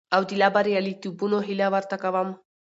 او د لا برياليتوبونو هيله ورته کوم.